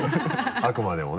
あくまでもね。